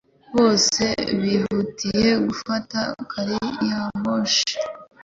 Bose bihutiye gufata gari ya moshi.